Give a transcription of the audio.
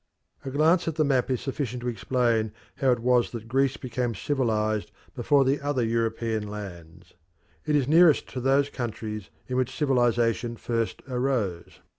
A glance at the map is sufficient to explain how it was that Greece became civilised before the other European lands. It is nearest to those countries in which civilisation first arose.